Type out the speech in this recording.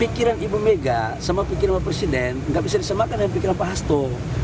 pikiran ibu mega sama pikiran bapak presiden nggak bisa disemakan dengan pikiran pak hasto